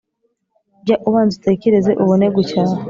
jya ubanza utekereze, ubone gucyaha